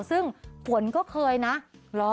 ซึ่งฝนก็เคยน่ะเหรอ